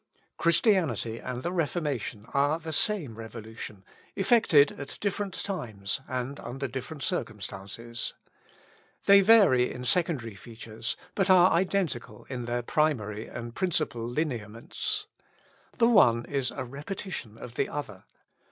Christianity and the Reformation are the same revolution, effected at different times, and under different circumstances. They vary in secondary features, but are identical in their primary and principal lineaments. The one is a repetition of the other.